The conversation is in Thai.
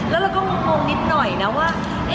แล้วเราก็งงนิดหน่อยนะว่า